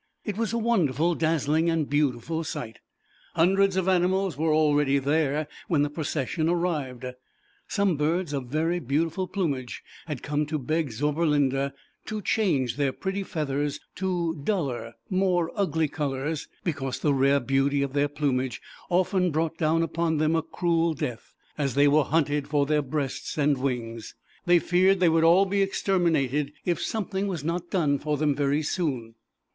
It was a wonderful, dazzling, and beautiful sight. Hundreds of Animals were al ready there when the Procession arrived. Some birds of very beautiful plumage, had come to beg Zauberlinda to change their pretty feathers to duller, more ugly colors, because the rare beauty of their plumage often brought down upon them a cruel death, as they were hunted for |*..? \\K~ . \t^^r' . S TTSlIu llilr >*"^ J . their breasts and wi; they would 228 ZAUBERLINDA, THE WISE WITCH. thing was not done for them very soon.